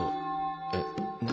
えっ何？